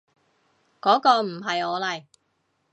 嗰個唔係我嚟